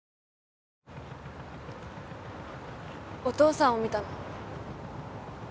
お父さんを見たの。